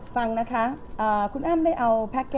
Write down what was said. ฟังนะคะคุณเอ้มได้เอา